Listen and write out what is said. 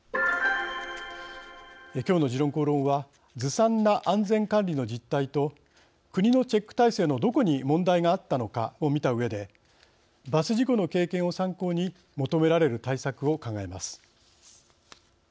きょうの「時論公論」はずさんな安全管理の実態と国のチェック体制のどこに問題があったのかを見たうえでバス事故の経験を参考に求められる対策を考えます。